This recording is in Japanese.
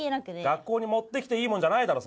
学校に持ってきていいもんじゃないだろ